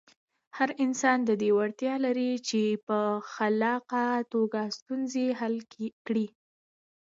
هر انسان د دې وړتیا لري چې په خلاقه توګه ستونزې حل کړي.